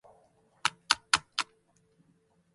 ムルシア県の県都はムルシアである